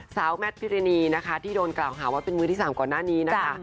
แมทพิรณีนะคะที่โดนกล่าวหาว่าเป็นมือที่๓ก่อนหน้านี้นะคะ